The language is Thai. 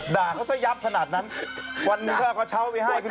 ด่าเขาจะยับขนาดนั้นวันนี้ถ้ากระเช้าไปห้าคิดว่าโอเค